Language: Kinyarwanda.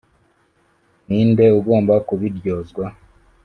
ni nde ugomba kubiryozwa